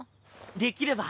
できれば。